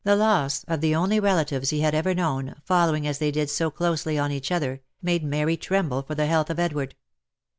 The loss of the only relatives he had ever known, following as they did so closely on each other, made Mary tremble for the health of Edward.